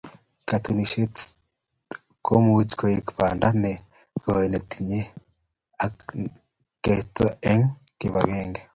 Katunisyet komuch koek banda ne koi nekinetigei ak keneryo eng kibagenge.